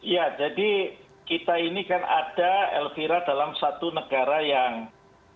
ya jadi kita ini kan ada elvira dalam satu negara yang menganut sistem demokrasi